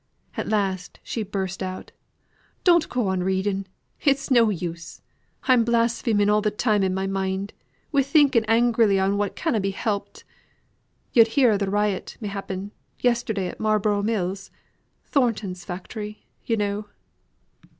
At last, she burst out: "Don't go on reading. It's no use. I'm blaspheming all the time in my mind, wi' thinking angrily on what canna be helped. Yo'd hear of th' riot, m'appen, yesterday at Marlborough Mills? Thornton's factory, yo' know."